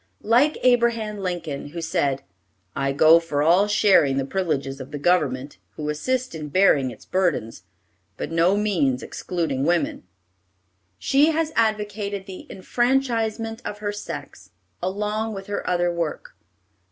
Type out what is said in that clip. Like Abraham Lincoln, who said, "I go for all sharing the privileges of the government, who assist in bearing its burdens, by no means excluding women," she has advocated the enfranchisement of her sex, along with her other work.